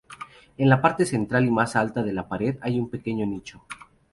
En la parte central y más alta de la pared hay un pequeño nicho.